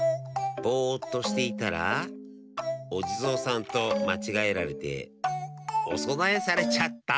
ぼっとしていたらおじぞうさんとまちがえられておそなえされちゃった。